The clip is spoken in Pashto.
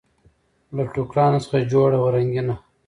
له ټوکرانو څخه جوړه وه رنګینه